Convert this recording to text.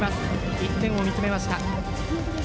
一点を見つめました。